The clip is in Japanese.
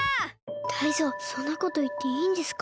タイゾウそんなこといっていいんですか？